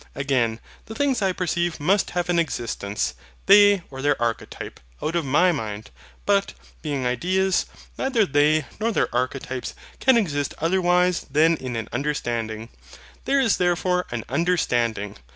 Again, the things I perceive must have an existence, they or their archetypes, out of MY mind: but, being ideas, neither they nor their archetypes can exist otherwise than in an understanding; there is therefore an UNDERSTANDING.